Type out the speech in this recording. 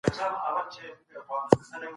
د سرمايې حاصل به په راتلونکي کي خامخا لوړ سي.